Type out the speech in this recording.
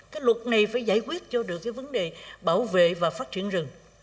cái luật này phải giải quyết cho được cái vấn đề bảo vệ và phát triển rừng